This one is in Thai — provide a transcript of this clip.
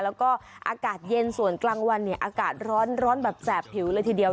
แล้วก็อากาศเย็นส่วนกลางวันเนี่ยอากาศร้อนแบบแสบผิวเลยทีเดียว